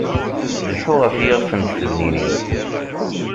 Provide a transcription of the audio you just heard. Lḥu ɣef yixef n tfednin-im.